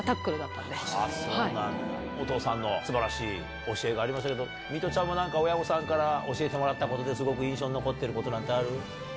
お父さんの素晴らしい教えがありましたけどミトちゃんも何か親御さんから教えてもらったことですごく印象に残ってることある？